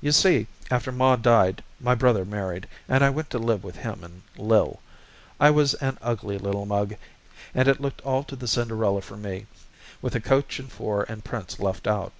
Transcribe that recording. You see, after Ma died my brother married, and I went to live with him and Lil. I was an ugly little mug, and it looked all to the Cinderella for me, with the coach, and four, and prince left out.